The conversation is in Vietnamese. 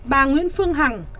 bà nguyễn phương hằng